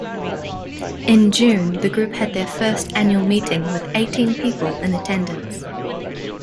In June the group had their first Annual Meeting with eighteen people in attendance.